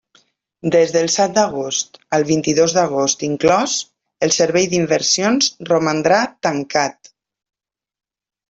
Des del set d'agost al vint-i-dos d'agost inclòs el Servei d'Inversions romandrà tancat.